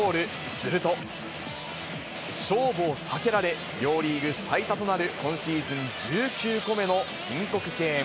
すると、勝負を避けられ、両リーグ最多となる今シーズン１９個目の申告敬遠。